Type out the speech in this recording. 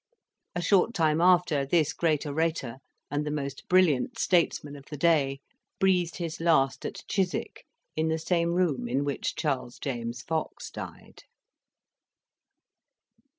A short time after, this great orator, and the most brilliant statesman of the day, breathed his last at Chiswick, in the same room in which Charles James Fox died.